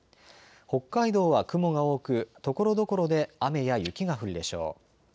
北海道は雲が多くところどころで雨や雪が降るでしょう。